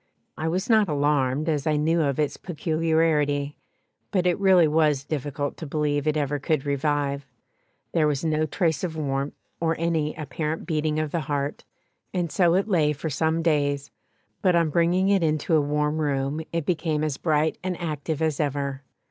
I was not alarmed, as I knew of its peculiarity, but it really was difficult to believe it ever could revive; there was no trace of warmth, or any apparent beating of the heart, and so it lay for some days, but on bringing it into a warm room it became as bright and active as ever.